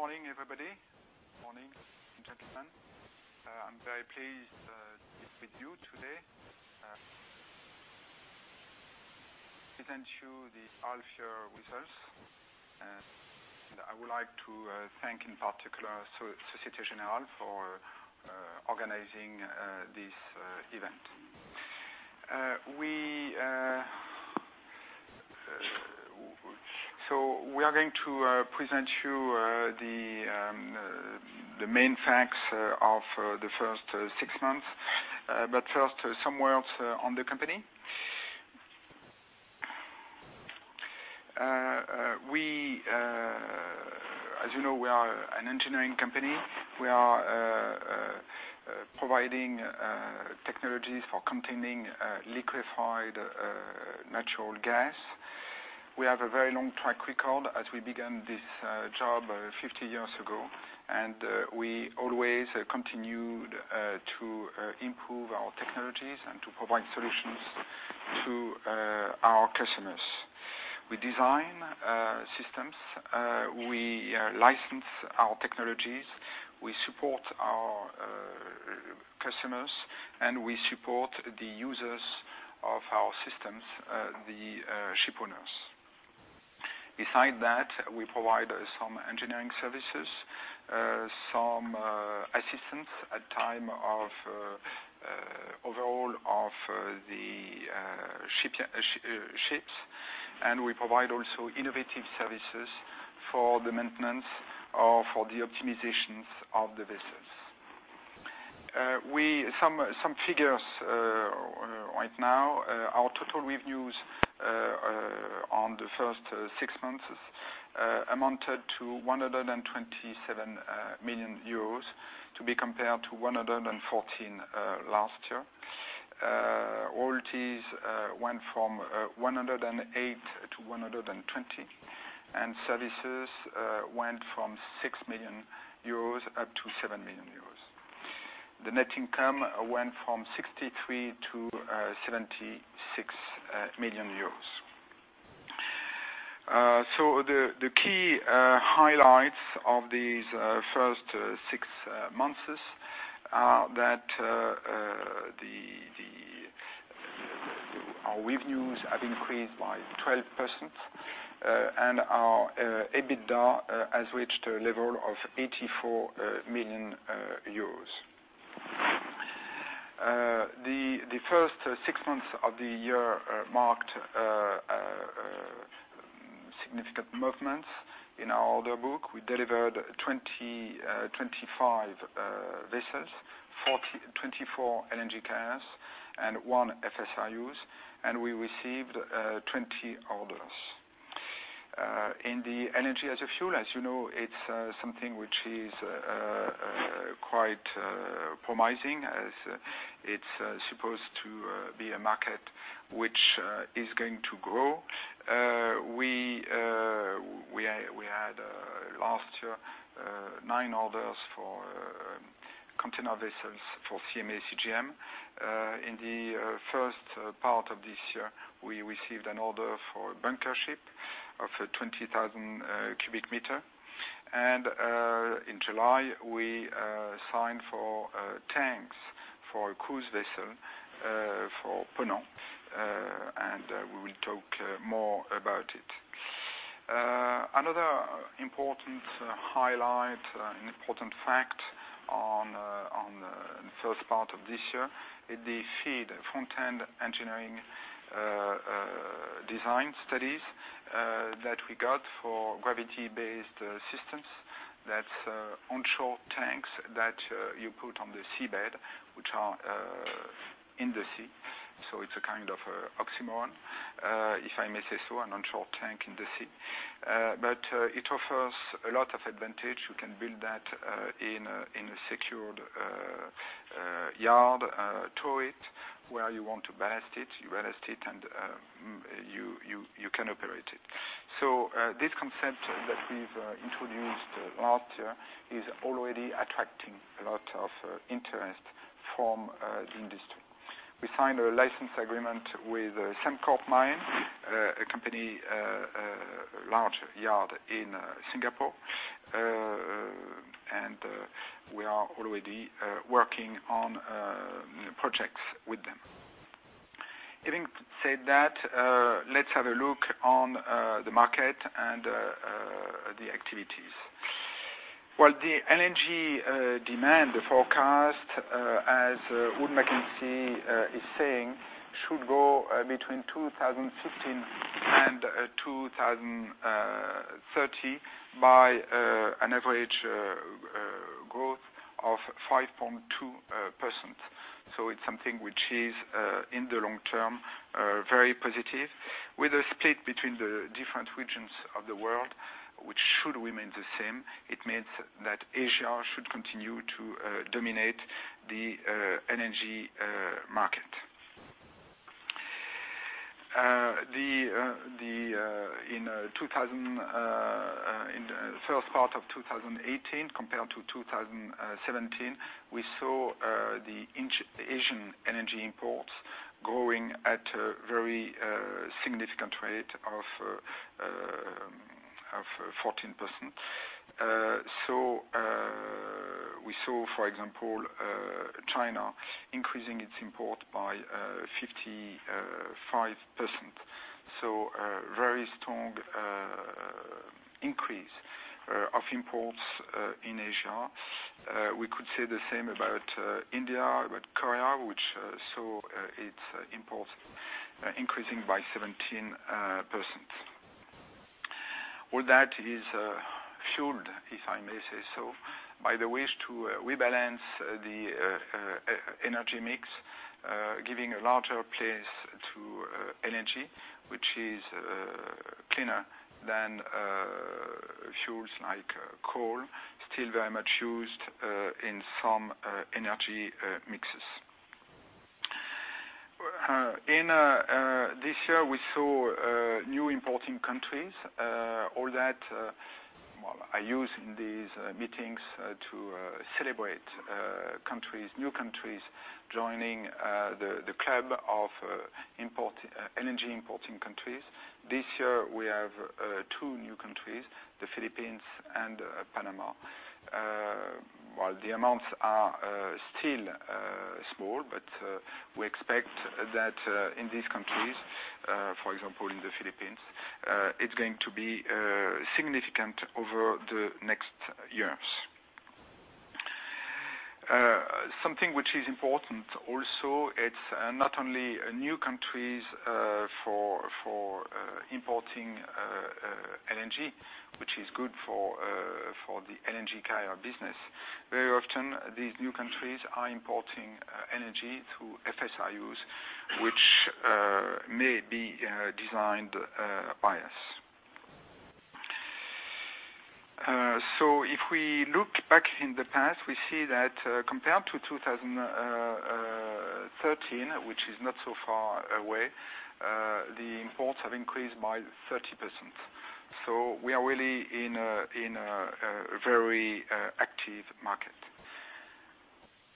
Good morning, everybody. Morning, gentlemen. I'm very pleased to be with you today. To present you the half-year results. I would like to thank, in particular, Société Générale for organizing this event. We are going to present you the main facts of the first six months. But first, some words on the company. As you know, we are an engineering company. We are providing technologies for containing liquefied natural gas. We have a very long track record as we began this job 50 years ago, and we always continued to improve our technologies and to provide solutions to our customers. We design systems. We license our technologies. We support our customers, and we support the users of our systems, the shipowners. Besides that, we provide some engineering services, some assistance at the time of overhaul of the ships, and we provide also innovative services for the maintenance or for the optimizations of the vessels. Some figures right now: our total revenues for the first six months amounted to 127 million euros to be compared to 114 last year. All these went from 108 to 120, and services went from 6 million euros up to 7 million euros. The net income went from 63 to 76 million euros. So the key highlights of these first six months are that our revenues have increased by 12%, and our EBITDA has reached a level of 84 million euros. The first six months of the year marked significant movements in our order book. We delivered 25 vessels, 24 LNG carriers, and 1 FSRU, and we received 20 orders. In the LNG as a fuel, as you know, it's something which is quite promising as it's supposed to be a market which is going to grow. We had last year nine orders for container vessels for CMA CGM. In the first part of this year, we received an order for a bunker ship of 20,000 cubic meters. In July, we signed for tanks for a cruise vessel for Ponant, and we will talk more about it. Another important highlight, an important fact on the first part of this year is the FEED, Front-End Engineering Design Studies, that we got for gravity-based systems. That's onshore tanks that you put on the seabed, which are in the sea. So it's a kind of oxymoron, if I may say so, an onshore tank in the sea. But it offers a lot of advantages. You can build that in a secured yard, tow it where you want to ballast it, you ballast it, and you can operate it. So this concept that we've introduced last year is already attracting a lot of interest from the industry. We signed a license agreement with Sembcorp Marine, a company, a large yard in Singapore, and we are already working on projects with them. Having said that, let's have a look on the market and the activities. Well, the energy demand forecast, as Wood Mackenzie is saying, should go between 2015 and 2030 by an average growth of 5.2%. So it's something which is, in the long term, very positive. With a split between the different regions of the world, which should remain the same, it means that Asia should continue to dominate the energy market. In the first part of 2018, compared to 2017, we saw the Asian energy imports growing at a very significant rate of 14%. We saw, for example, China increasing its import by 55%. A very strong increase of imports in Asia. We could say the same about India, about Korea, which saw its imports increasing by 17%. All that is fueled, if I may say so, by the wish to rebalance the energy mix, giving a larger place to energy, which is cleaner than fuels like coal, still very much used in some energy mixes. This year, we saw new importing countries. All that I use in these meetings to celebrate new countries joining the club of energy importing countries. This year, we have two new countries, the Philippines and Panama. Well, the amounts are still small, but we expect that in these countries, for example, in the Philippines, it's going to be significant over the next years. Something which is important also, it's not only new countries for importing energy, which is good for the energy carrier business. Very often, these new countries are importing energy through FSRUs, which may be designed by us. So if we look back in the past, we see that compared to 2013, which is not so far away, the imports have increased by 30%. So we are really in a very active market.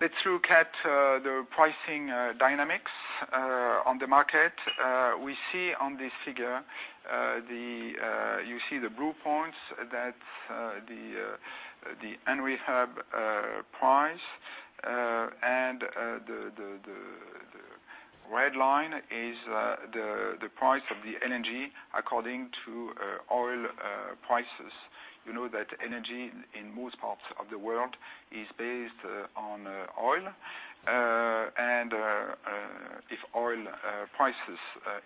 Let's look at the pricing dynamics on the market. We see on this figure, you see the blue points, that's the Henry Hub price, and the red line is the price of the energy according to oil prices. You know that energy in most parts of the world is based on oil, and if oil prices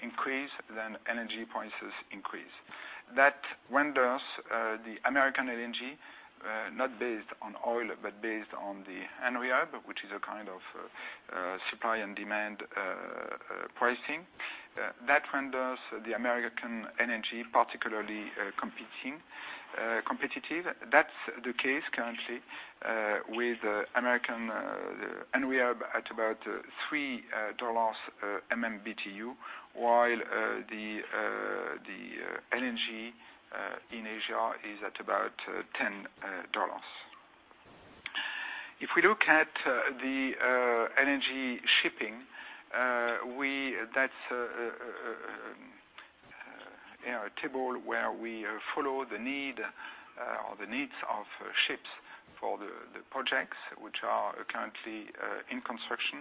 increase, then energy prices increase. That renders the American energy, not based on oil, but based on the Henry Hub, which is a kind of supply and demand pricing, that renders the American energy particularly competitive. That's the case currently with American Henry Hub at about $3 MMBTU, while the energy in Asia is at about $10. If we look at the energy shipping, that's a table where we follow the need or the needs of ships for the projects which are currently in construction.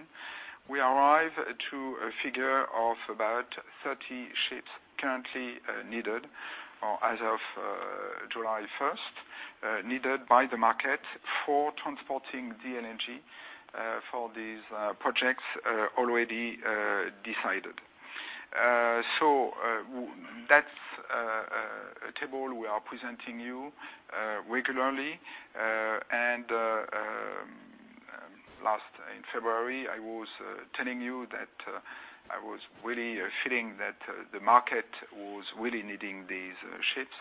We arrive at a figure of about 30 ships currently needed as of July 1st, needed by the market for transporting the energy for these projects already decided. So that's a table we are presenting you regularly. Last in February, I was telling you that I was really feeling that the market was really needing these ships.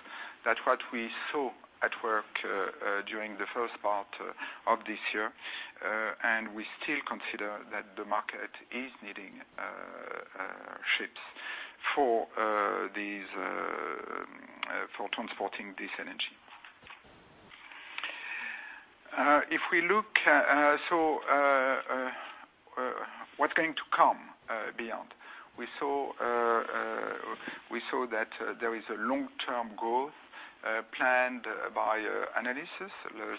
That's what we saw at work during the first part of this year, and we still consider that the market is needing ships for transporting this energy. If we look at what's going to come beyond, we saw that there is a long-term goal planned by analysts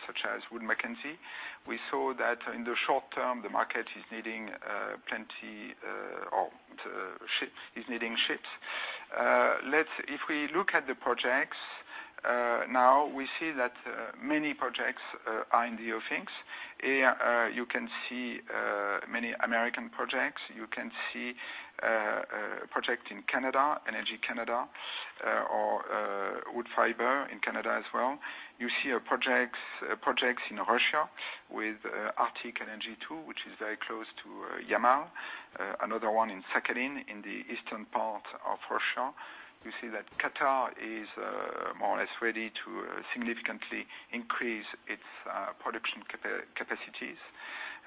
such as Wood Mackenzie. We saw that in the short term, the market is needing plenty of ships. If we look at the projects now, we see that many projects are in the offing. You can see many American projects. You can see a project in Canada, LNG Canada, or Woodfibre in Canada as well. You see projects in Russia with Arctic LNG 2, which is very close to Yamal. Another one in Sakhalin in the eastern part of Russia. You see that Qatar is more or less ready to significantly increase its production capacities.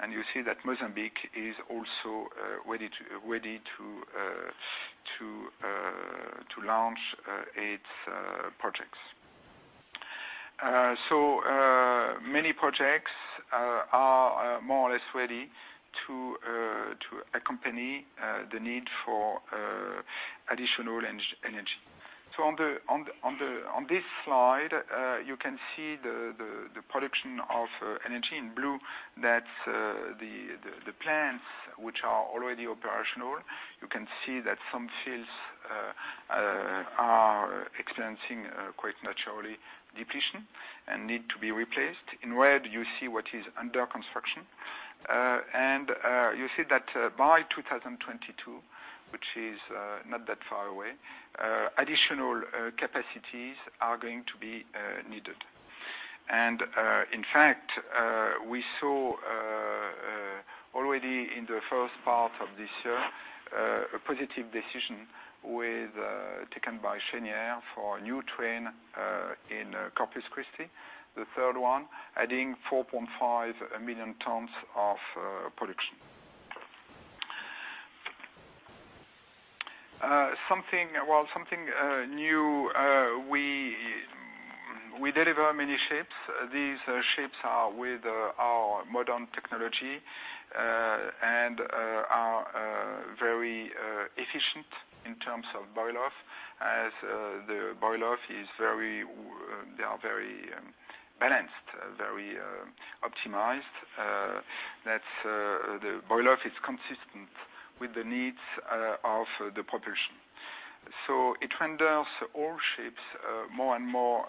You see that Mozambique is also ready to launch its projects. Many projects are more or less ready to accompany the need for additional energy. On this slide, you can see the production of energy in blue. That's the plants which are already operational. You can see that some fields are experiencing quite naturally depletion and need to be replaced. In red, you see what is under construction. You see that by 2022, which is not that far away, additional capacities are going to be needed. In fact, we saw already in the first part of this year a positive decision taken by Cheniere for a new train in Corpus Christi, the third one, adding 4.5 million tons of production. Well, something new, we deliver many ships. These ships are with our modern technology and are very efficient in terms of boil-off, as the boil-off is very balanced, very optimized. That's the boil-off is consistent with the needs of the propulsion. So it renders all ships more and more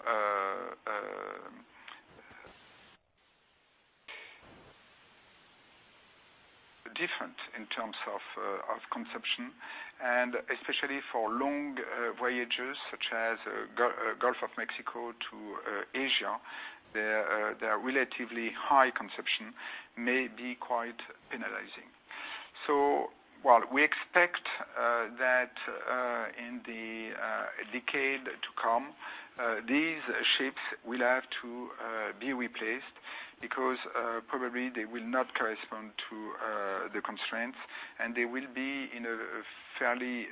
different in terms of consumption. And especially for long voyages such as Gulf of Mexico to Asia, their relatively high consumption may be quite penalizing. So while we expect that in the decade to come, these ships will have to be replaced because probably they will not correspond to the constraints, and they will be in a fairly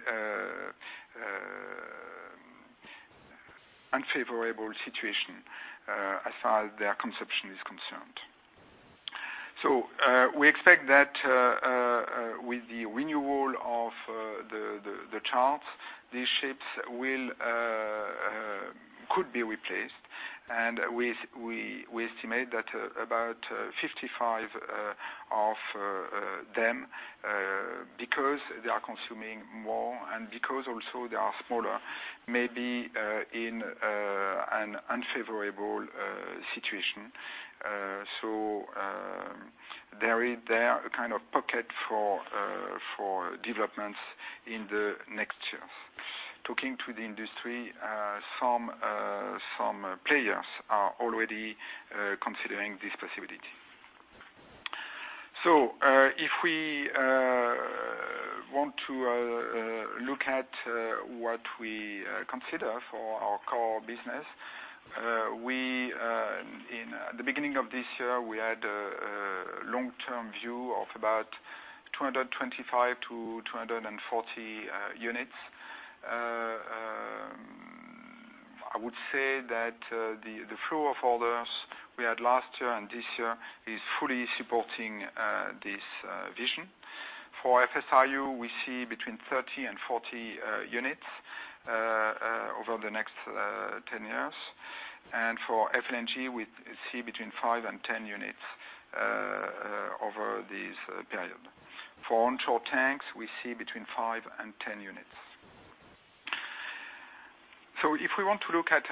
unfavorable situation as far as their consumption is concerned. So we expect that with the renewal of the charters, these ships could be replaced. And we estimate that about 55 of them, because they are consuming more and because also they are smaller, may be in an unfavorable situation. So there is a kind of pocket for developments in the next years. Talking to the industry, some players are already considering this possibility. So if we want to look at what we consider for our core business, at the beginning of this year, we had a long-term view of about 225-240 units. I would say that the flow of orders we had last year and this year is fully supporting this vision. For FSRU, we see between 30 and 40 units over the next 10 years. And for FLNG, we see between 5 and 10 units over this period. For onshore tanks, we see between 5 and 10 units. So if we want to look at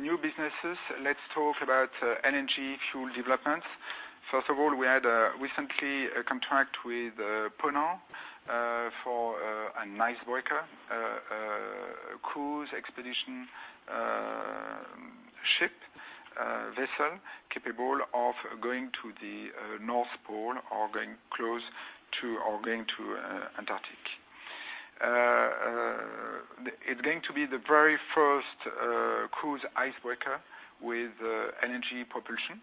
new businesses, let's talk about energy fuel developments. First of all, we had recently a contract with Ponant for an icebreaker cruise expedition ship vessel capable of going to the North Pole or going close to or going to Antarctica. It's going to be the very first cruise icebreaker with energy propulsion.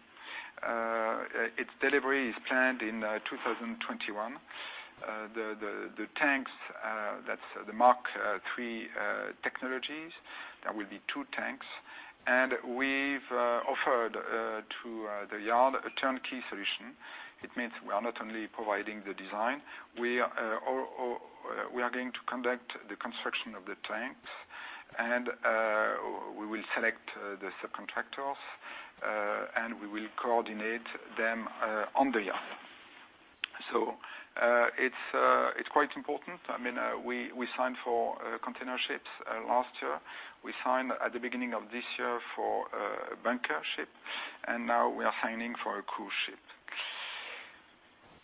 Its delivery is planned in 2021. The tanks, that's the Mark III technologies, there will be two tanks. And we've offered to the yard a turnkey solution. It means we are not only providing the design, we are going to conduct the construction of the tanks, and we will select the subcontractors, and we will coordinate them on the yard. So it's quite important. I mean, we signed for container ships last year. We signed at the beginning of this year for a bunker ship, and now we are signing for a cruise ship.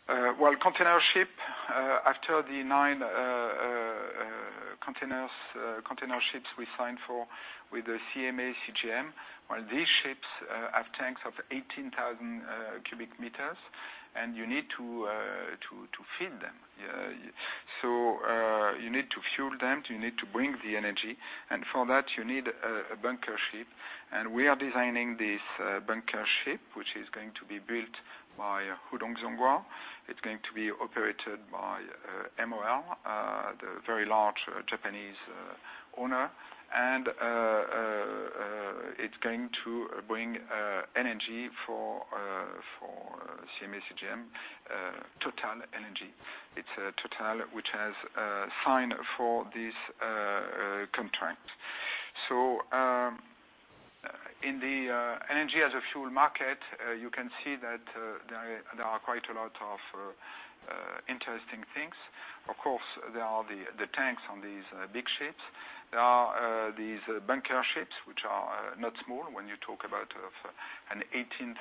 Well, container ship, after the nine container ships we signed for with the CMA CGM, well, these ships have tanks of 18,000 cubic meters, and you need to feed them. So you need to fuel them, you need to bring the energy, and for that, you need a bunker ship. We are designing this bunker ship, which is going to be built by Hudong-Zhonghua. It's going to be operated by MOL, the very large Japanese owner, and it's going to bring energy for CMA CGM, Total energy. It's Total which has signed for this contract. So in the LNG as a fuel market, you can see that there are quite a lot of interesting things. Of course, there are the tanks on these big ships. There are these bunker ships, which are not small when you talk about an 18,000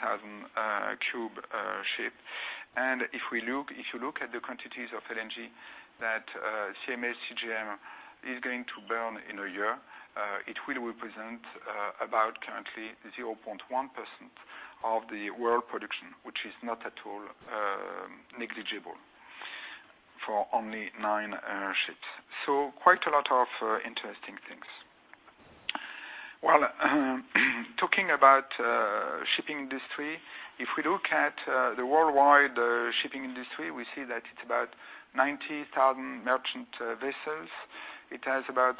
cube ship. If you look at the quantities of energy that CMA CGM is going to burn in a year, it will represent about currently 0.1% of the world production, which is not at all negligible for only nine ships. So quite a lot of interesting things. Well, talking about shipping industry, if we look at the worldwide shipping industry, we see that it's about 90,000 merchant vessels. It has about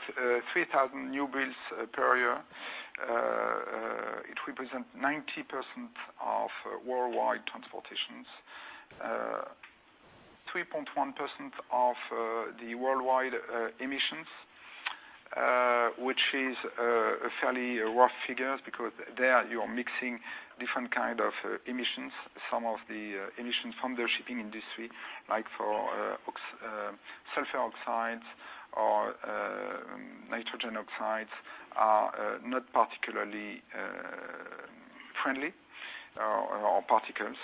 3,000 new builds per year. It represents 90% of worldwide transportations, 3.1% of the worldwide emissions, which is a fairly rough figure because there you are mixing different kinds of emissions. Some of the emissions from the shipping industry, like for sulfur oxides or nitrogen oxides, are not particularly friendly or particles.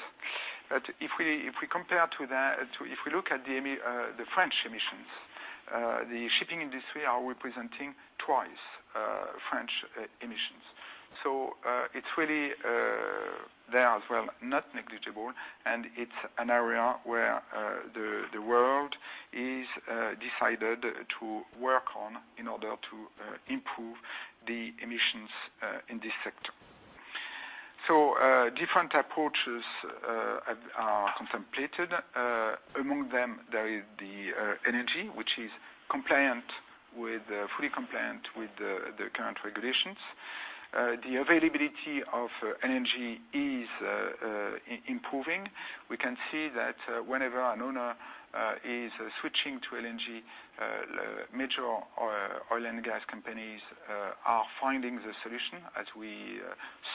But if we compare to that, if we look at the French emissions, the shipping industry is representing twice French emissions. So it's really there as well, not negligible, and it's an area where the world has decided to work on in order to improve the emissions in this sector. So different approaches are contemplated. Among them, there is the energy, which is fully compliant with the current regulations. The availability of energy is improving. We can see that whenever an owner is switching to LNG, major oil and gas companies are finding the solution. As we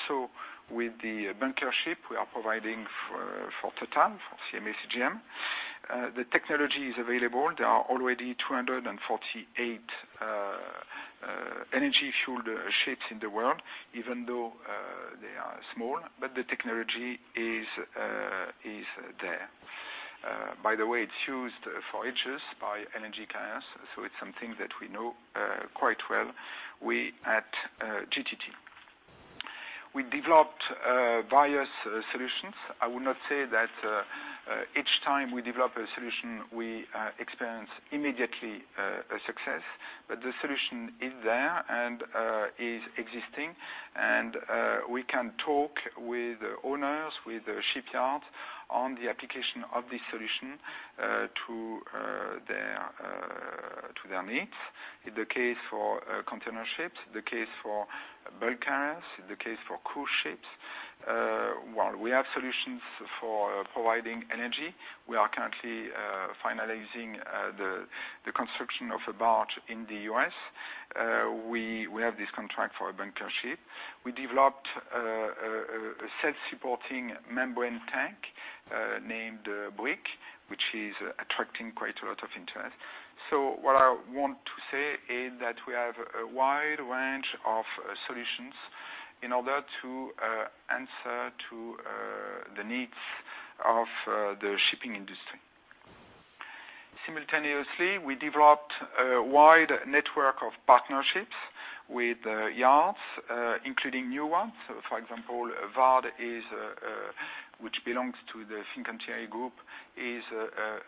saw with the bunker ship, we are providing for Total, for CMA CGM. The technology is available. There are already 248 energy-fueled ships in the world, even though they are small, but the technology is there. By the way, it's used for ages by LNG carriers, so it's something that we know quite well. We at GTT, we developed various solutions. I will not say that each time we develop a solution, we experience immediately a success, but the solution is there and is existing, and we can talk with owners, with shipyards on the application of this solution to their needs. In the case for container ships, in the case for bulk carriers, in the case for cruise ships, while we have solutions for providing energy, we are currently finalizing the construction of a barge in the U.S. We have this contract for a bunker ship. We developed a self-supporting membrane tank named BRIC, which is attracting quite a lot of interest. So what I want to say is that we have a wide range of solutions in order to answer to the needs of the shipping industry. Simultaneously, we developed a wide network of partnerships with yards, including new ones. For example, VARD, which belongs to the Fincantieri Group, is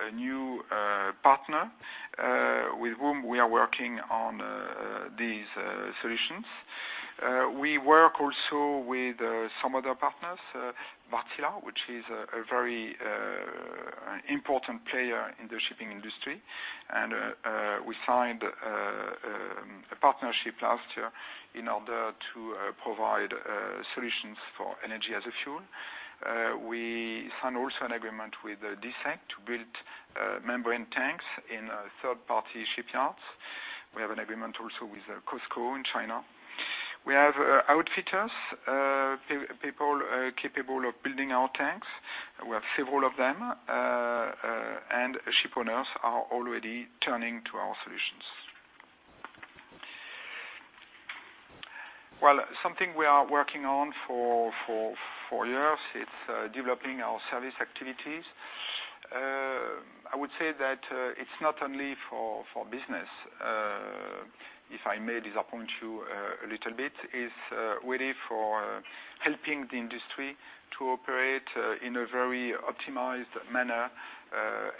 a new partner with whom we are working on these solutions. We work also with some other partners, Wärtsilä, which is a very important player in the shipping industry, and we signed a partnership last year in order to provide solutions for energy as a fuel. We signed also an agreement with DSEC to build membrane tanks in third-party shipyards. We have an agreement also with COSCO in China. We have outfitters, people capable of building our tanks. We have several of them, and shipowners are already turning to our solutions. Well, something we are working on for years, it's developing our service activities. I would say that it's not only for business, if I may disappoint you a little bit, it's really for helping the industry to operate in a very optimized manner,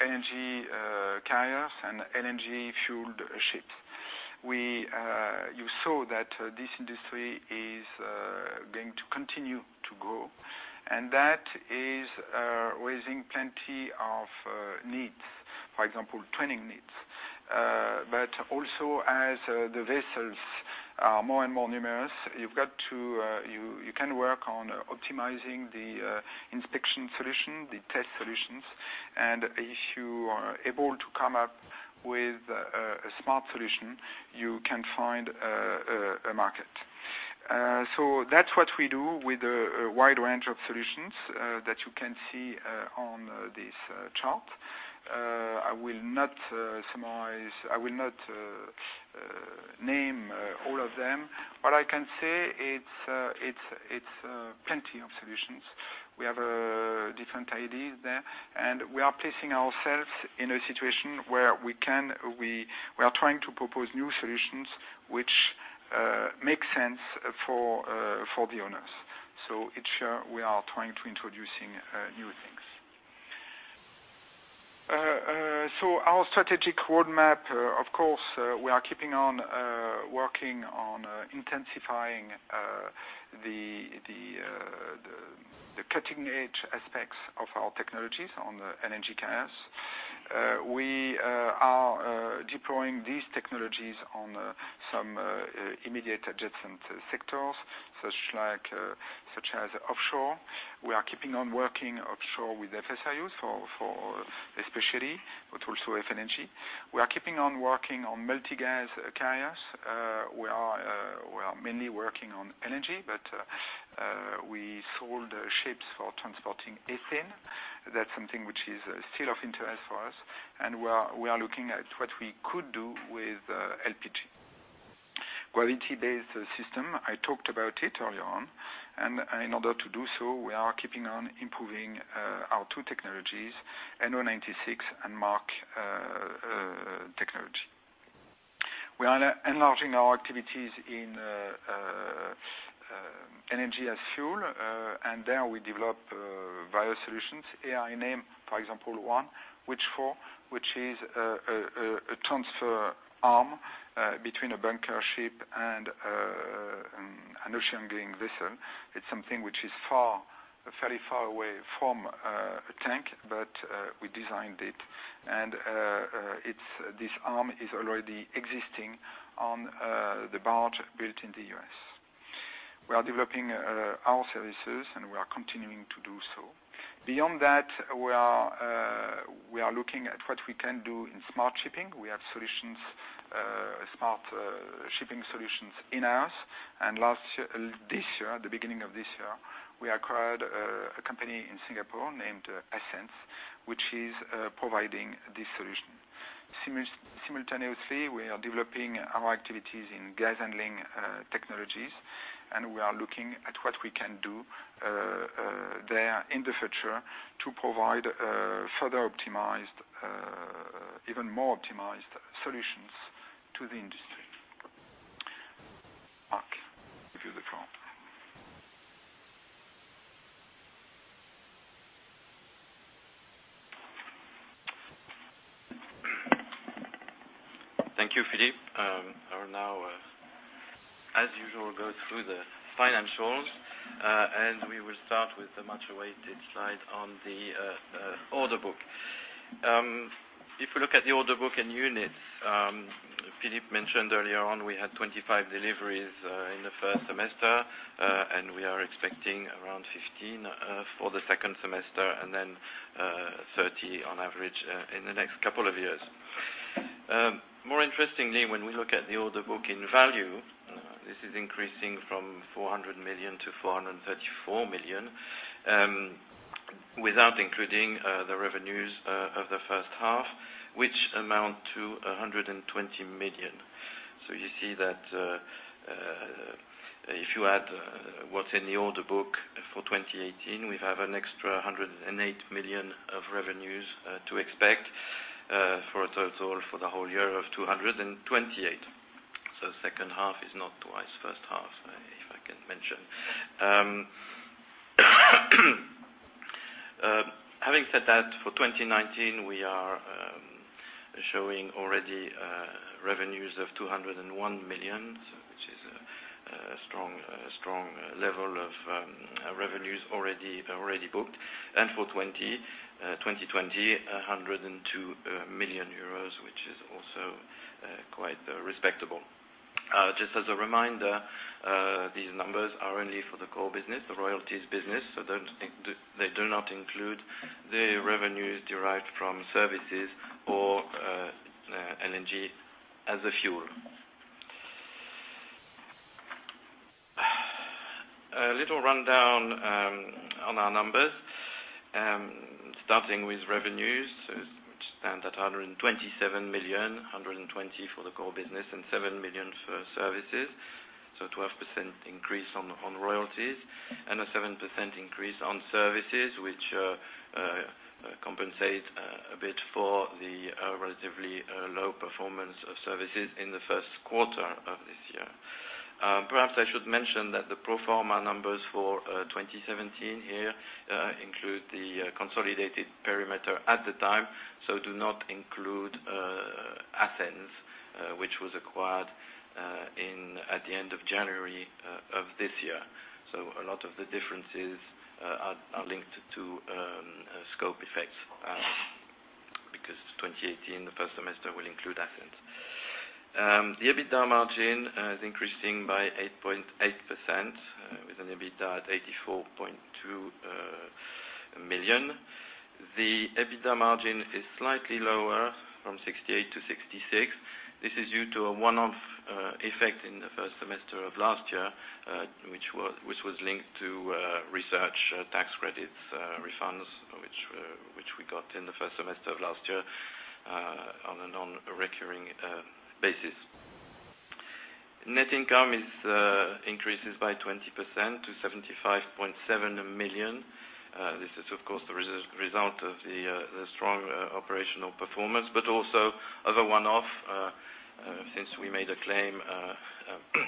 energy carriers and energy-fueled ships. You saw that this industry is going to continue to grow, and that is raising plenty of needs, for example, training needs. But also, as the vessels are more and more numerous, you can work on optimizing the inspection solution, the test solutions, and if you are able to come up with a smart solution, you can find a market. So that's what we do with a wide range of solutions that you can see on this chart. I will not name all of them. What I can say, it's plenty of solutions. We have different ideas there, and we are placing ourselves in a situation where we are trying to propose new solutions which make sense for the owners. So each year, we are trying to introduce new things. So our strategic roadmap, of course, we are keeping on working on intensifying the cutting-edge aspects of our technologies on the energy carriers. We are deploying these technologies on some immediate adjacent sectors, such as offshore. We are keeping on working offshore with FSRUs especially, but also FLNG. We are keeping on working on multi-gas carriers. We are mainly working on energy, but we sold ships for transporting ethane. That's something which is still of interest for us, and we are looking at what we could do with LPG. Gravity-based system, I talked about it earlier on, and in order to do so, we are keeping on improving our two technologies, NO96 and Mark technology. We are enlarging our activities in energy as fuel, and there we develop various solutions. Here I name, for example, one which is a transfer arm between a bunker ship and an ocean-going vessel. It's something which is fairly far away from a tank, but we designed it, and this arm is already existing on the barge built in the U.S. We are developing our services, and we are continuing to do so. Beyond that, we are looking at what we can do in smart shipping. We have smart shipping solutions in-house, and this year, at the beginning of this year, we acquired a company in Singapore named Ascenz, which is providing this solution. Simultaneously, we are developing our activities in gas handling technologies, and we are looking at what we can do there in the future to provide further optimized, even more optimized solutions to the industry. Mark gives you the floor. Thank you, Philippe. I will now, as usual, go through the financials, and we will start with the much-awaited slide on the order book. If we look at the order book and units, Philippe mentioned earlier on we had 25 deliveries in the first semester, and we are expecting around 15 for the second semester, and then 30 on average in the next couple of years. More interestingly, when we look at the order book in value, this is increasing from 400 million to 434 million without including the revenues of the first half, which amount to 120 million. So you see that if you add what's in the order book for 2018, we have an extra 108 million of revenues to expect for a total for the whole year of 228 million. So the second half is not twice the first half, if I can mention. Having said that, for 2019, we are showing already revenues of 201 million, which is a strong level of revenues already booked, and for 2020, 102 million euros, which is also quite respectable. Just as a reminder, these numbers are only for the core business, the royalties business, so they do not include the revenues derived from services or energy as a fuel. A little rundown on our numbers, starting with revenues, which stand at 127 million, 120 million for the core business and 7 million for services, so a 12% increase on royalties, and a 7% increase on services, which compensate a bit for the relatively low performance of services in the first quarter of this year. Perhaps I should mention that the pro forma numbers for 2017 here include the consolidated perimeter at the time, so do not include Ascenz, which was acquired at the end of January of this year. So a lot of the differences are linked to scope effects because 2018, the first semester, will include Ascenz. The EBITDA margin is increasing by 8.8%, with an EBITDA at 84.2 million. The EBITDA margin is slightly lower from 68% to 66%. This is due to a one-off effect in the first semester of last year, which was linked to research tax credits refunds, which we got in the first semester of last year on a non-recurring basis. Net income increases by 20% to 75.7 million. This is, of course, the result of the strong operational performance, but also of a one-off since we made a claim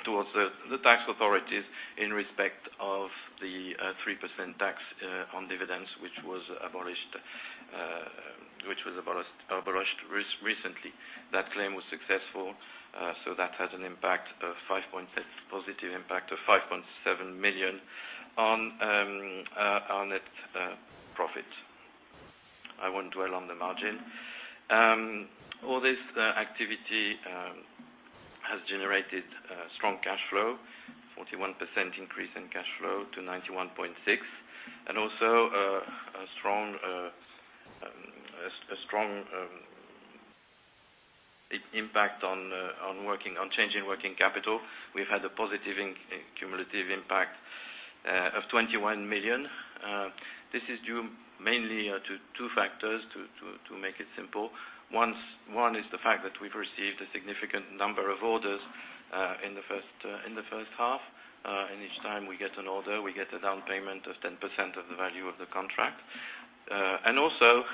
towards the tax authorities in respect of the 3% tax on dividends, which was abolished recently. That claim was successful, so that had an impact of positive impact of 5.7 million on net profit. I won't dwell on the margin. All this activity has generated strong cash flow, 41% increase in cash flow to 91.6 million, and also a strong impact on changing working capital. We've had a positive cumulative impact of 21 million. This is due mainly to two factors, to make it simple. One is the fact that we've received a significant number of orders in the first half. In each time we get an order, we get a down payment of 10% of the value of the contract. And also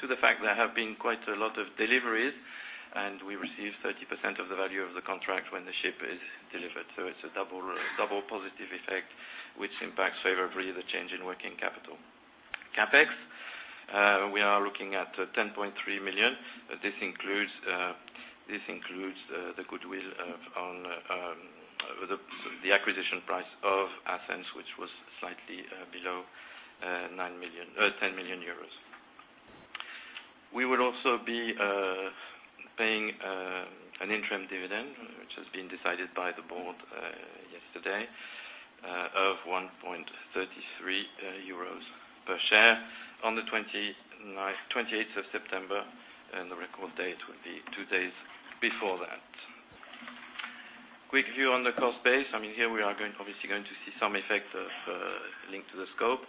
to the fact there have been quite a lot of deliveries, and we receive 30% of the value of the contract when the ship is delivered. So it's a double positive effect, which impacts favorably the change in working capital. CapEx, we are looking at 10.3 million. This includes the goodwill on the acquisition price of Ascenz, which was slightly below 10 million euros. We will also be paying an interim dividend, which has been decided by the board yesterday, of 1.33 euros per share on the 28th of September, and the record date will be two days before that. Quick view on the cost base. I mean, here we are obviously going to see some effect linked to the scope,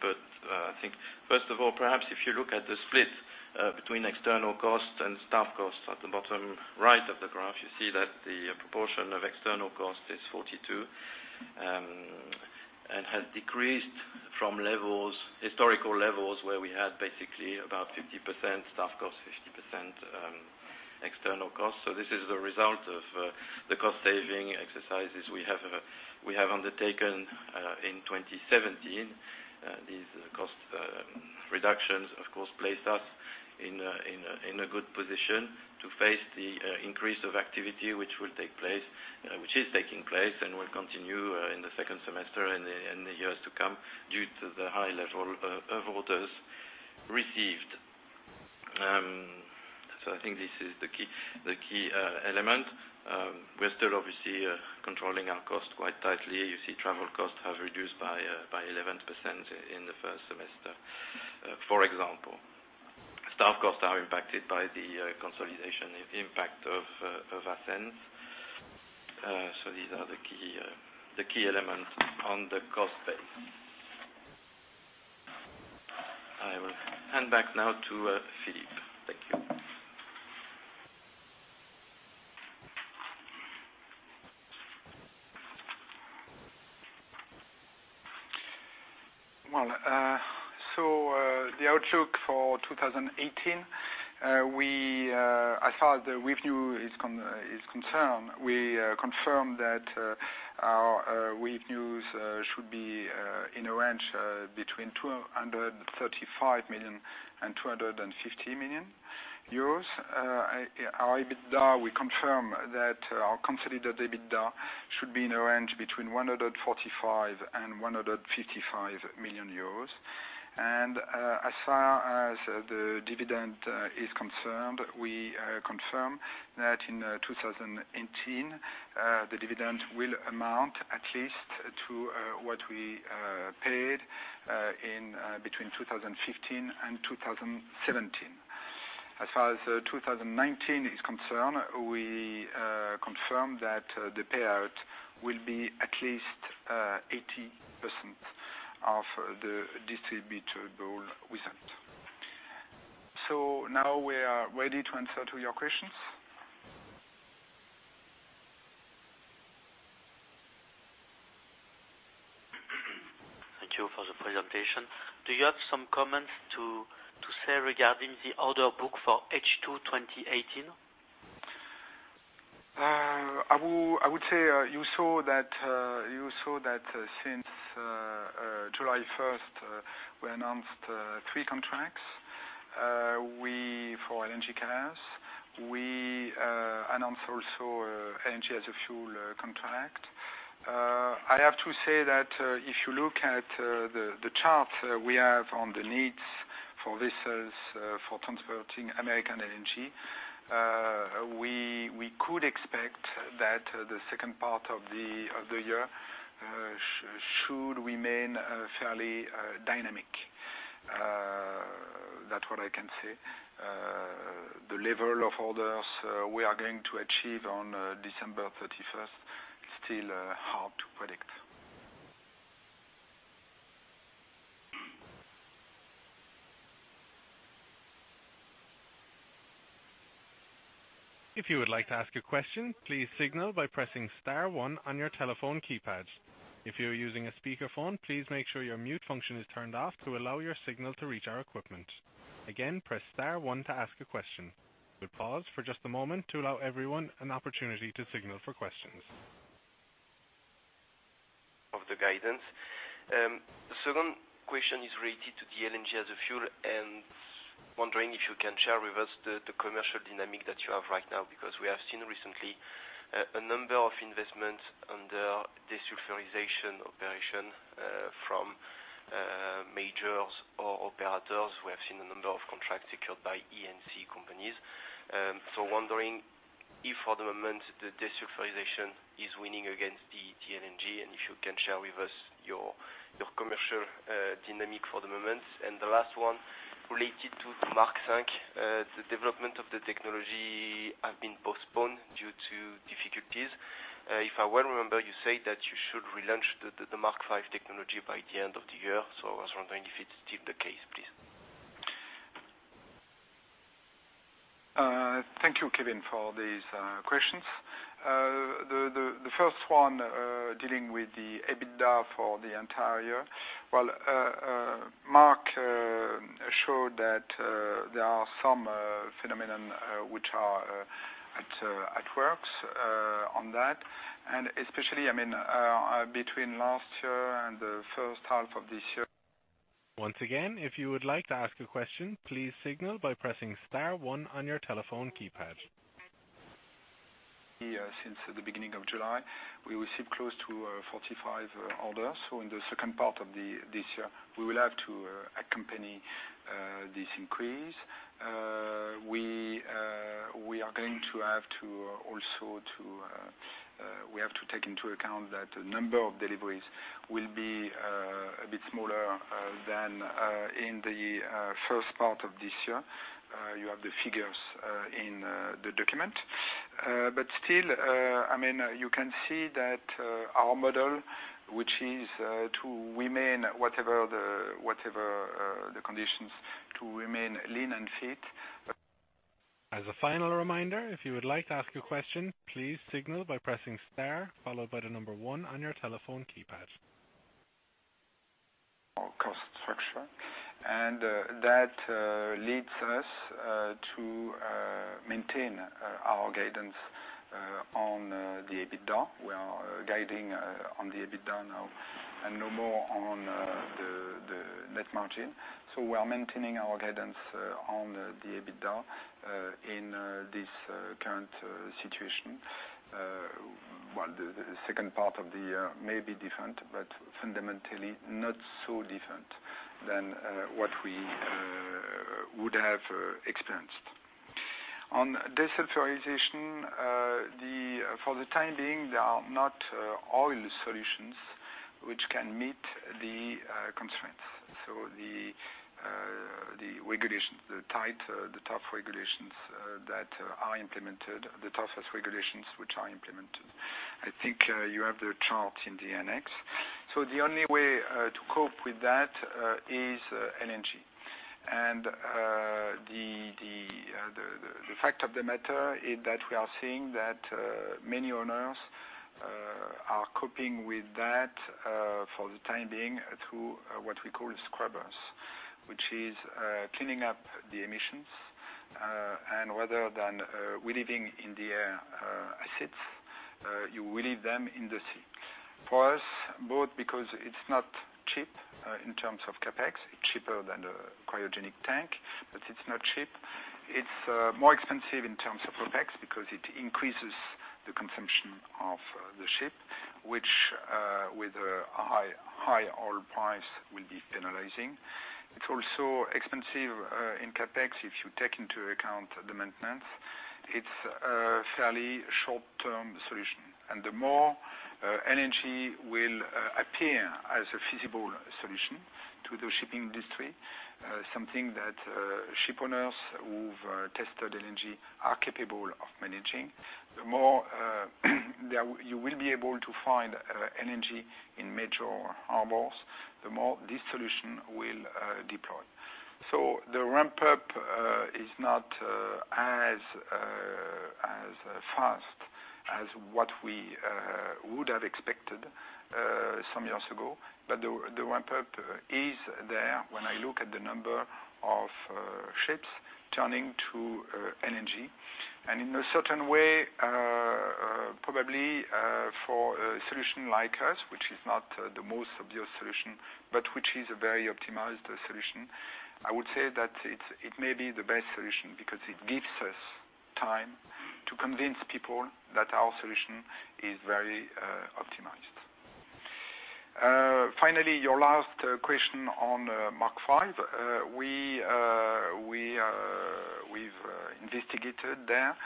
but I think first of all, perhaps if you look at the split between external costs and staff costs at the bottom right of the graph, you see that the proportion of external costs is 42% and has decreased from historical levels where we had basically about 50% staff costs, 50% external costs. So this is the result of the cost-saving exercises we have undertaken in 2017. These cost reductions, of course, place us in a good position to face the increase of activity, which will take place, which is taking place, and will continue in the second semester and the years to come due to the high level of orders received. So I think this is the key element. We're still obviously controlling our cost quite tightly. You see travel costs have reduced by 11% in the first semester, for example. Staff costs are impacted by the consolidation impact of Ascenz. So these are the key elements on the cost base. I will hand back now to Philippe. Thank you. Well, so the outlook for 2018, as far as the revenue is concerned, we confirmed that our revenues should be in a range between 235 million-250 million euros. Our EBITDA, we confirm that our consolidated EBITDA should be in a range between 145 million-155 million euros. And as far as the dividend is concerned, we confirm that in 2018, the dividend will amount at least to what we paid between 2015 and 2017. As far as 2019 is concerned, we confirm that the payout will be at least 80% of the distributable result. So now we are ready to answer your questions. Thank you for the presentation. Do you have some comments to say regarding the order book for H2 2018? I would say you saw that since July 1st, we announced three contracts for energy carriers. We announced also energy as a fuel contract. I have to say that if you look at the chart we have on the needs for vessels for transporting American energy, we could expect that the second part of the year should remain fairly dynamic. That's what I can say. The level of orders we are going to achieve on December 31st is still hard to predict. If you would like to ask a question, please signal by pressing star one on your telephone keypad. If you're using a speakerphone, please make sure your mute function is turned off to allow your signal to reach our equipment. Again, press star one to ask a question. We'll pause for just a moment to allow everyone an opportunity to signal for questions. Of the guidance. The second question is related to the LNG as a fuel and wondering if you can share with us the commercial dynamic that you have right now because we have seen recently a number of investments under desulfurization operation from majors or operators. We have seen a number of contracts secured by ENC companies. So wondering if for the moment the desulfurization is winning against the LNG and if you can share with us your commercial dynamic for the moment. And the last one related to the Mark tank, the development of the technology has been postponed due to difficulties. If I well remember, you said that you should relaunch the Mark V technology by the end of the year. So I was wondering if it's still the case, please. Thank you, Kevin, for these questions. The first one dealing with the EBITDA for the entire year, well, Mark showed that there are some phenomena which are at work on that, and especially, I mean, between last year and the first half of this year. Once again, if you would like to ask a question, please signal by pressing star one on your telephone keypad. Since the beginning of July, we received close to 45 orders. So in the second part of this year, we will have to accompany this increase. We are going to have to also take into account that the number of deliveries will be a bit smaller than in the first part of this year. You have the figures in the document. But still, I mean, you can see that our model, which is to remain whatever the conditions to remain lean and fit. As a final reminder, if you would like to ask a question, please signal by pressing star followed by the number one on your telephone keypad. Our cost structure. That leads us to maintain our guidance on the EBITDA. We are guiding on the EBITDA now and no more on the net margin. We are maintaining our guidance on the EBITDA in this current situation. Well, the second part of the year may be different, but fundamentally not so different than what we would have experienced. On desulfurization, for the time being, there are not all solutions which can meet the constraints. The regulations, the tough regulations that are implemented, the toughest regulations which are implemented. I think you have the chart in the annex. The only way to cope with that is LNG. The fact of the matter is that we are seeing that many owners are coping with that for the time being through what we call scrubbers, which is cleaning up the emissions. Rather than releasing acids in the air, you relieve them in the sea. For us, both because it's not cheap in terms of CapEx, it's cheaper than a cryogenic tank, but it's not cheap. It's more expensive in terms of CapEx because it increases the consumption of the ship, which with a high oil price will be penalizing. It's also expensive in CapEx if you take into account the maintenance. It's a fairly short-term solution. The more energy will appear as a feasible solution to the shipping industry, something that shipowners who've tested LNG are capable of managing, the more you will be able to find LNG in major harbors, the more this solution will deploy. The ramp-up is not as fast as what we would have expected some years ago, but the ramp-up is there when I look at the number of ships turning to LNG. And in a certain way, probably for a solution like us, which is not the most obvious solution, but which is a very optimized solution, I would say that it may be the best solution because it gives us time to convince people that our solution is very optimized. Finally, your last question on Mark V. We've investigated there.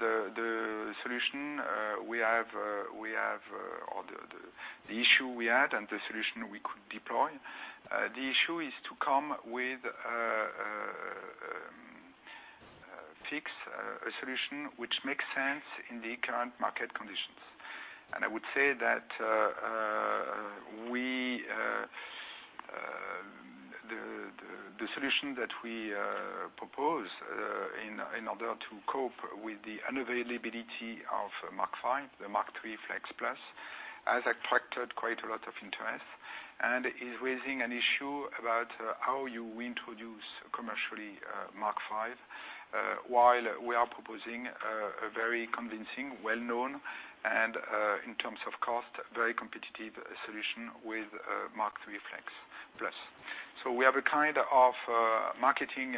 The solution we have or the issue we had and the solution we could deploy, the issue is to come with a solution which makes sense in the current market conditions. I would say that the solution that we propose in order to cope with the unavailability of Mark V, the Mark III Flex Plus, has attracted quite a lot of interest and is raising an issue about how you introduce commercially Mark V while we are proposing a very convincing, well-known, and in terms of cost, very competitive solution with Mark III Flex Plus. We have a kind of marketing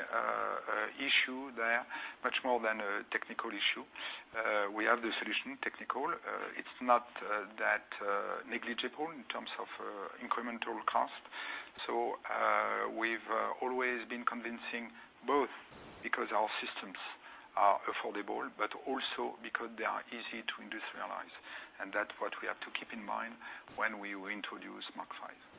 issue there, much more than a technical issue. We have the technical solution. It's not that negligible in terms of incremental cost. We've always been convincing both because our systems are affordable, but also because they are easy to industrialize. That's what we have to keep in mind when we introduce Mark V. Yes, I have a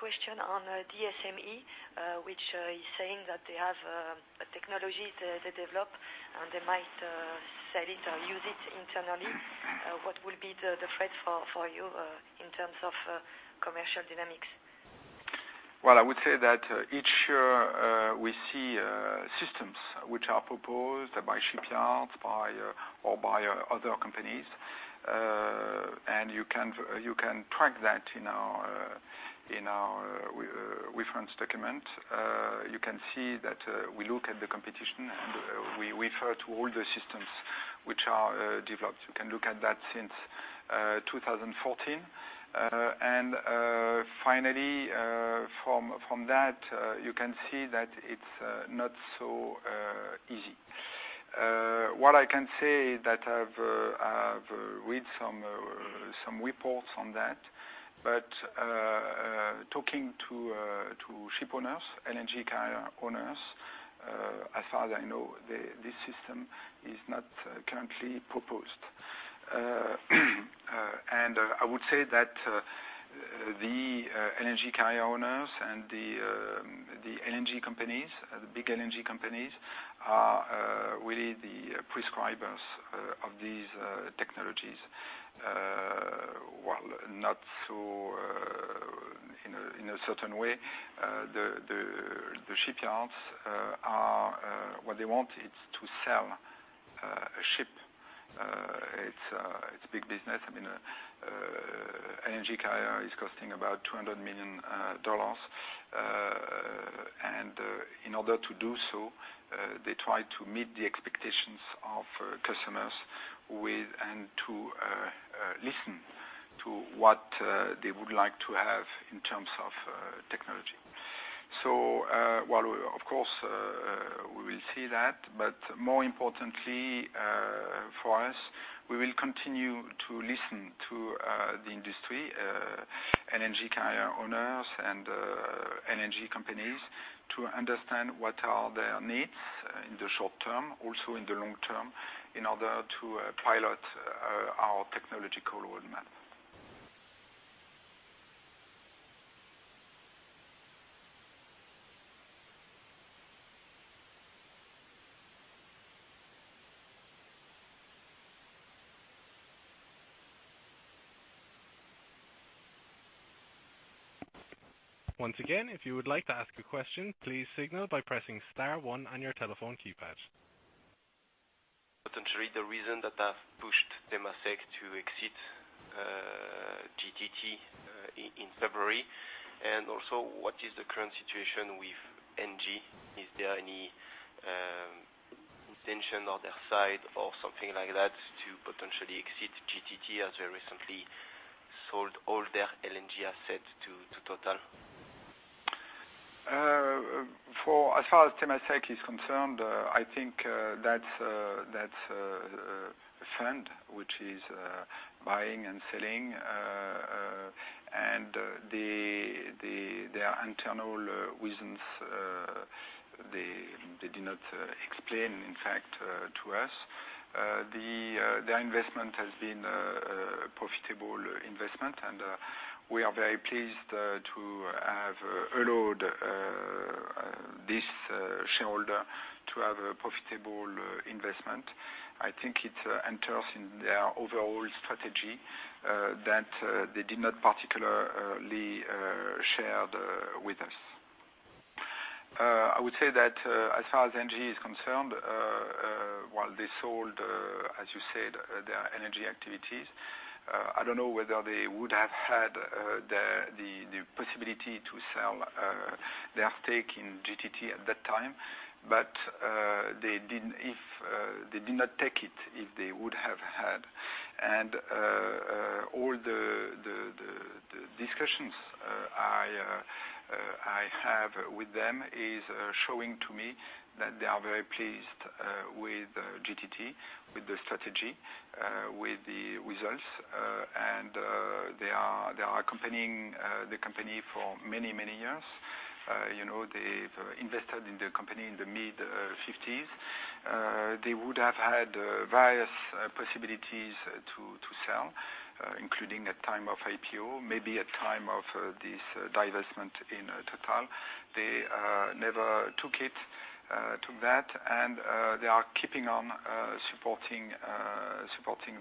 question on DSME, which is saying that they have technologies they develop and they might sell it or use it internally. What will be the threat for you in terms of commercial dynamics? Well, I would say that each year we see systems which are proposed by shipyards or by other companies. And you can track that in our reference document. You can see that we look at the competition and we refer to all the systems which are developed. You can look at that since 2014. And finally, from that, you can see that it's not so easy. What I can say is that I've read some reports on that, but talking to shipowners, LNG carrier owners, as far as I know, this system is not currently proposed. And I would say that the LNG carrier owners and the LNG companies, the big LNG companies, are really the prescribers of these technologies. Well, not so in a certain way. The shipyards, what they want is to sell a ship. It's a big business. I mean, LNG carrier is costing about $200 million. In order to do so, they try to meet the expectations of customers and to listen to what they would like to have in terms of technology. So, well, of course, we will see that, but more importantly for us, we will continue to listen to the industry, LNG carrier owners and LNG companies, to understand what are their needs in the short term, also in the long term, in order to pilot our technological roadmap. Once again, if you would like to ask a question, please signal by pressing star one on your telephone keypad. Potentially the reason that have pushed Temasek to exit GTT in February. Also, what is the current situation with NG? Is there any intention on their side or something like that to potentially exit GTT as they recently sold all their LNG assets to Total? As far as Temasek is concerned, I think that's a fund which is buying and selling. Their internal reasons, they do not explain, in fact, to us. Their investment has been a profitable investment, and we are very pleased to have allowed this shareholder to have a profitable investment. I think it enters in their overall strategy that they did not particularly share with us. I would say that as far as NG is concerned, while they sold, as you said, their energy activities, I don't know whether they would have had the possibility to sell their stake in GTT at that time, but they did not take it if they would have had. All the discussions I have with them is showing to me that they are very pleased with GTT, with the strategy, with the results. They are accompanying the company for many, many years. They've invested in the company in the mid-1950s. They would have had various possibilities to sell, including at time of IPO, maybe at time of this divestment in Total. They never took that, and they are keeping on supporting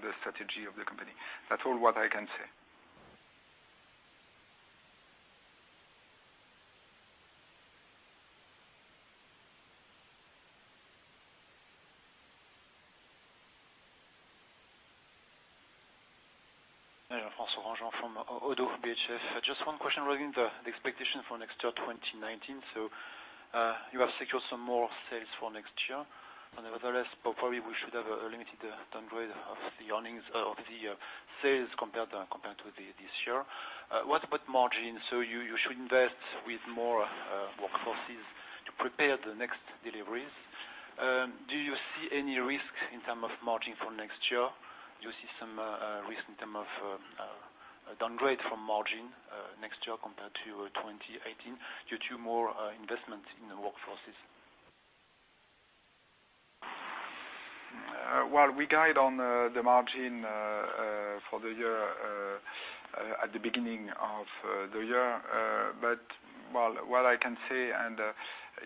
the strategy of the company. That's all what I can say. Announcement from Oddo BHF. Just one question regarding the expectation for next year 2019. So you have secured some more sales for next year. Nevertheless, probably we should have a limited downgrade of the earnings of the sales compared to this year. What about margin? So you should invest with more workforces to prepare the next deliveries. Do you see any risk in terms of margin for next year? Do you see some risk in terms of downgrade from margin next year compared to 2018 due to more investment in workforces? Well, we guide on the margin for the year at the beginning of the year. But well, what I can say, and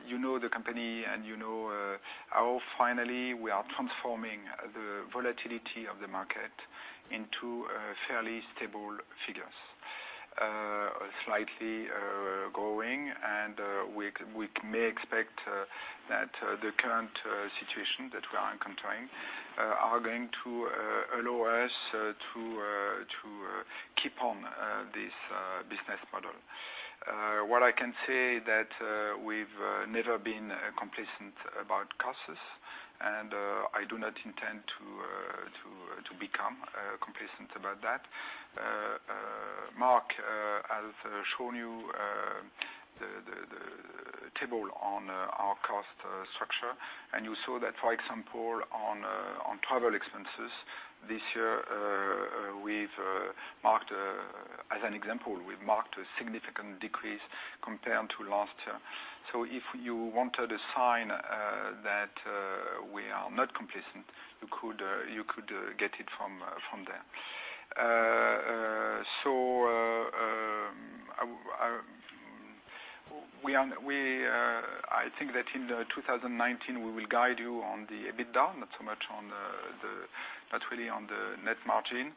you know the company and you know how finally we are transforming the volatility of the market into fairly stable figures, slightly growing. And we may expect that the current situation that we are encountering is going to allow us to keep on this business model. What I can say is that we've never been complacent about costs, and I do not intend to become complacent about that. Mark has shown you the table on our cost structure, and you saw that, for example, on travel expenses this year, as an example, we've marked a significant decrease compared to last year. So if you wanted a sign that we are not complacent, you could get it from there. I think that in 2019, we will guide you on the EBITDA, not so much on the net margin.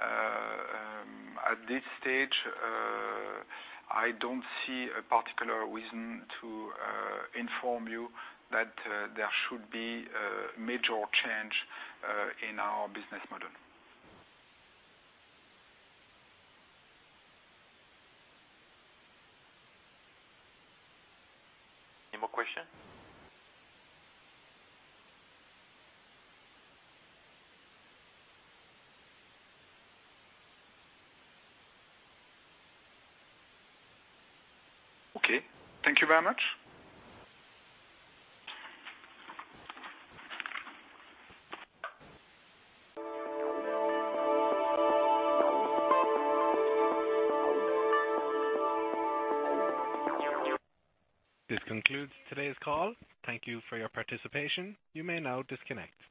At this stage, I don't see a particular reason to inform you that there should be a major change in our business model. Any more questions? Okay. Thank you very much. This concludes today's call. Thank you for your participation. You may now disconnect.